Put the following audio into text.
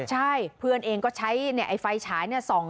ใช่เพื่อนเองก็ใช้ไฟฉายส่อง